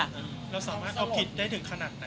เราสามารถคอบคิดได้ถึงขนาดแต่นะ